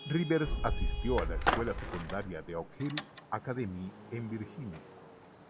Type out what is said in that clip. Rivers asistió a la escuela secundaria de Oak Hill Academy en Virginia.